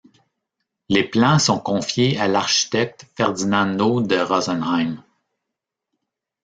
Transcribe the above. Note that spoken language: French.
Les plans sont confiés à l'architecte Ferdinando de Rosenheim.